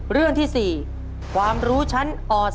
เรื่องที่๔ความรู้ชั้นอ๔